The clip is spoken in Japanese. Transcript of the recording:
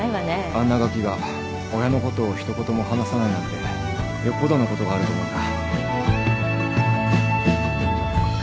あんなガキが親のことを一言も話さないなんてよっぽどのことがあると思うんだ。